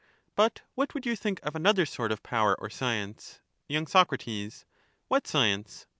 But what would you think of another sort of power or science ? Y. Soc. What science